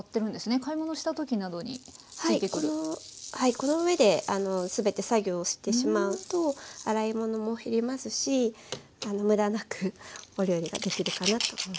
この上で全て作業をしてしまうと洗い物も減りますし無駄なくお料理ができるかなと思います。